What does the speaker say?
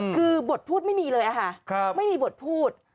คือบทพูดไม่มีเลยค่ะไม่มีบทพูด